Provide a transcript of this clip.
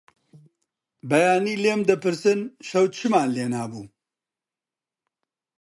بەیانی لێم دەپرسن شەو چمان لێنابوو؟